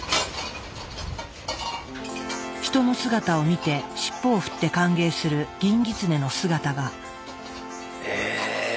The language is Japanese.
人の姿を見て尻尾を振って歓迎するギンギツネの姿が。へ！